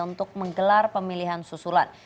untuk menggelar pemilihan susulan